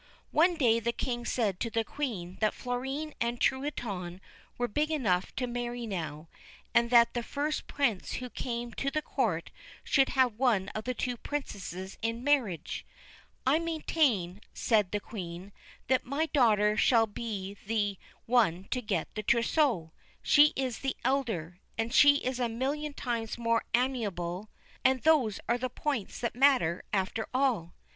One day the King said to the Queen that Florine and Truitonne were big enough to marry now, and that the first Prince who came to the court should have one of the two Princesses in marriage. ' I maintain,' said the Queen, ' that my daughter shall be the one to get the trousseau ; she is the elder, and she is a million times more amiable, and those are the points that matter, after all.'